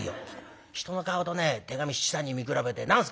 人の顔とね手紙七三に見比べて何すか」。